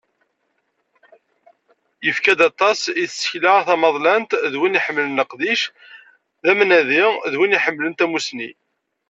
Yefka-d aṭas i tsekla tamaḍalant, d win iḥemmlen leqdic, d amnadi, d win iḥemmlen tamussni.